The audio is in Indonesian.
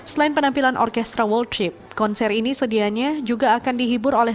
selain penampilan orkestra worldship konser ini sedianya juga akan dihibur oleh